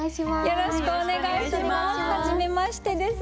よろしくお願いします。